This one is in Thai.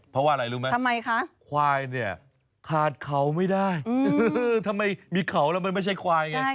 เพราะว่าอะไรรู้ไหมทำไมคะควายเนี่ยขาดเขาไม่ได้ทำไมมีเขาแล้วมันไม่ใช่ควายไง